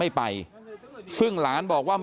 เดี๋ยวให้กลางกินขนม